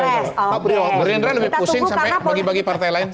mereka lebih pusing sampai dibagi bagi ke partai lain